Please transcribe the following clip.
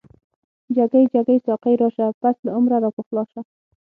جګی جګی ساقی راشه، پس له عمره راپخلا شه